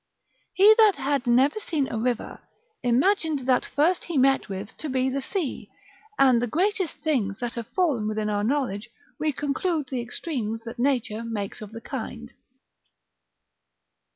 ] He that had never seen a river, imagined the first he met with to be the sea; and the greatest things that have fallen within our knowledge, we conclude the extremes that nature makes of the kind.